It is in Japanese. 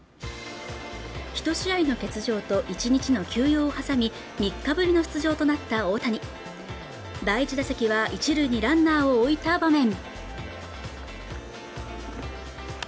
１試合の欠場と１日の休養を挟み３日ぶりの出場となった大谷第１打席は一塁にランナーを置いた場面